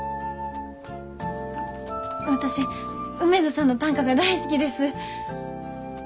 私梅津さんの短歌が大好きです。